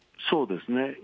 そうですね。